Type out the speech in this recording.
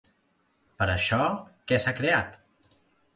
Per això, què s'ha creat?